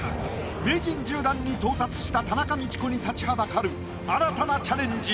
名人１０段に到達した田中道子に立ちはだかる新たなチャレンジ